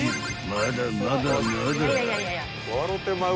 まだまだまだ］